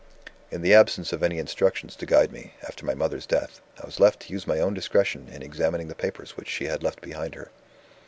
"In the absence of any instructions to guide me, after my mother's death, I was left to use my own discretion in examining the papers which she had left behind her.